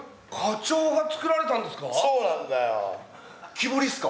木彫りっすか？